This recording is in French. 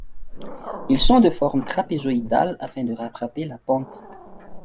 Ils sont de forme trapézoïdale afin de rattraper la pente.